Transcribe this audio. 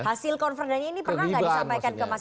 hasil konverdanya ini pernah nggak disampaikan ke mas